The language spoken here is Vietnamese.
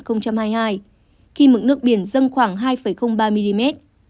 khi mức nước biển dâng khoảng hai ba mm